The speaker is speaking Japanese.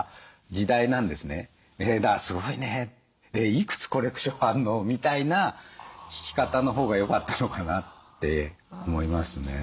だから「すごいねいくつコレクションあるの？」みたいな聞き方のほうがよかったのかなって思いますね。